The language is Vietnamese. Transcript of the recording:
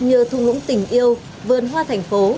như thu ngũng tỉnh yêu vườn hoa thành phố